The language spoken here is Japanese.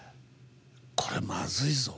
これ、まずいぞ。